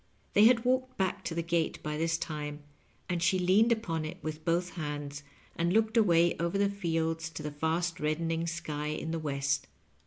They had walked back to the gate by this time, and she leaned upon it with both hands, and looked away over the fields to the fast reddening sky in the west.